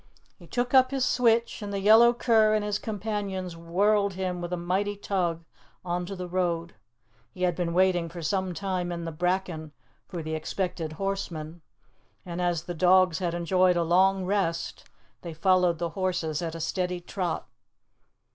He took up his switch, and the yellow cur and his companions whirled him with a mighty tug on to the road. He had been waiting for some time in the bracken for the expected horseman, and as the dogs had enjoyed a long rest, they followed the horses at a steady trot.